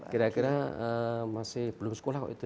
kira kira masih belum sekolah kok itu